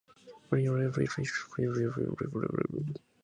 Vanilla orchid pods or honey were used as flavor enhancers.